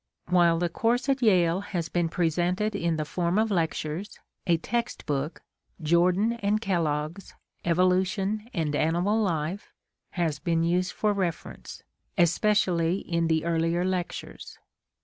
While the course at Yale has been pre sented in the form of lectures, a text book, Jordan and Kellogg's Evolution and Animal Life, has been used for reference, especially in the earlier lectures.